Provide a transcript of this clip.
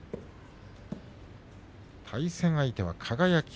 対戦相手は輝。